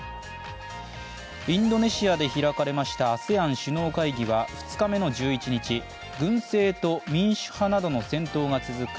インドネシアで開かれましたＡＳＥＡＮ首脳会議は２日目の１１日、軍政と民主派などの戦闘が続く